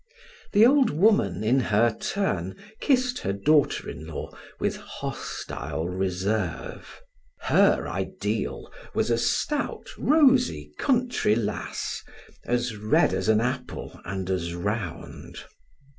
The old woman, in her turn, kissed her daughter in law with hostile reserve. Her ideal was a stout, rosy, country lass, as red as an apple and as round.